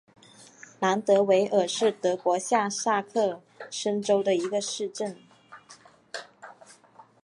兰德韦尔是德国下萨克森州的一个市镇。